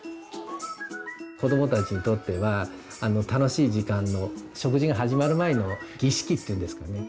子どもたちにとっては楽しい時間の食事が始まる前の儀式っていうんですかね。